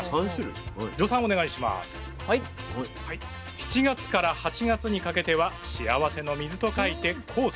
７月から８月にかけては幸せの水と書いて「幸水」。